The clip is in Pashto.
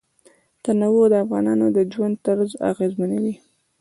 تنوع د افغانانو د ژوند طرز اغېزمنوي.